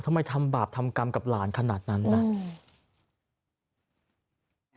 ทำไมทำบาปทำกรรมกับหลานขนาดนั้นนะ